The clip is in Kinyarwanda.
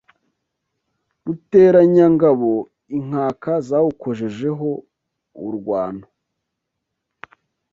Ruteranyangabo inkaka zawukojejeho urwano